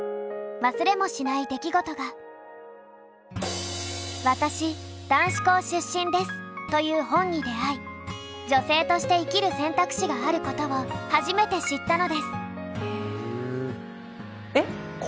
忘れもしない出来事が。という本に出会い女性として生きる選択肢があることを初めて知ったのです。